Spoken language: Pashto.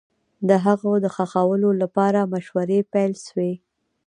د هغه د ښخولو لپاره مشورې پيل سوې